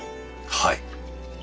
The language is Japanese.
はい。